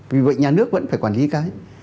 vì vậy nhà nước vẫn phải quản lý cái